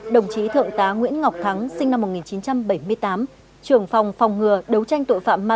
đồng chí thượng tá nguyễn ngọc thắng sinh năm một nghìn chín trăm bảy mươi tám trưởng phòng phòng ngừa đấu tranh tội phạm ma